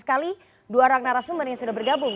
sekali dua ragnarasumer yang sudah bergabung